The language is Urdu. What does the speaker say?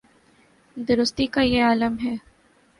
درستی کا یہ عالم ہے۔